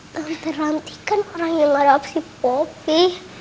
tante ranti kan orang yang marah si popi